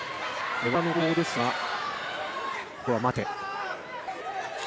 寝技の攻防ですが、ここは待て。